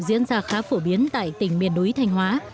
diễn ra khá phổ biến tại tỉnh miền núi thanh hóa